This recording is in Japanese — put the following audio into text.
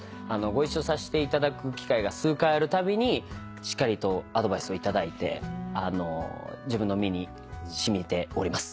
ご一緒させていただく機会が数回あるたびにしっかりとアドバイスをいただいて自分の身にしみております。